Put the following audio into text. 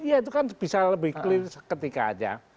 iya itu kan bisa lebih clear seketika aja